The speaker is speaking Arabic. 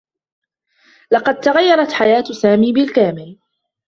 لقد تغيّرت حياة سامي بالكامل.